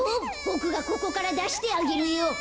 ボクがここからだしてあげるよ。